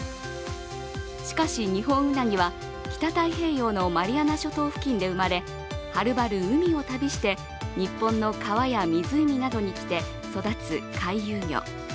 しかしニホンウナギは北太平洋のマリアナ諸島付近で生まれ、はるばる海を旅して日本の川や湖などに来て育つ回遊魚。